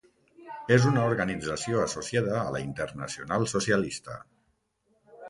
És una organització associada a la Internacional Socialista.